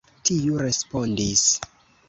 Tiu respondis.